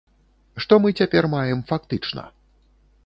Што мы цяпер маем фактычна?